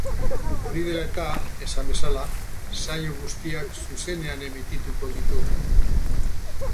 Hori dela eta, esan bezala, saio guztiak zuzenean emitituko ditugu.